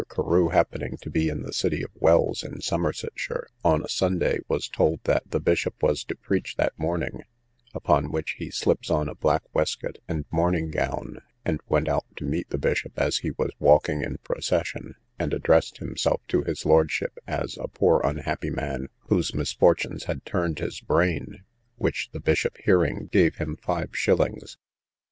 Carew happening to be in the city of Wells, in Somersetshire, on a Sunday, was told that the bishop was to preach that morning: upon which he slips on a black waistcoat and morning gown, and went out to meet the bishop as he was walking in procession, and addressed himself to his lordship as a poor unhappy man, whose misfortunes had turned his brain; which the bishop hearing, gave him five shillings.